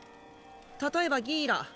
例えばギーラ。